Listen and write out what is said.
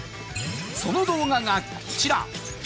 その動画がこちら。